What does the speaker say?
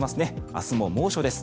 明日も猛暑です。